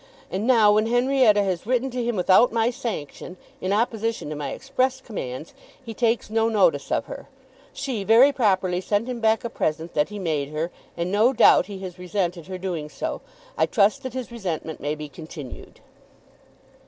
And now, when Henrietta has written to him without my sanction, in opposition to my express commands, he takes no notice of her. She, very properly, sent him back a present that he made her, and no doubt he has resented her doing so. I trust that his resentment may be continued."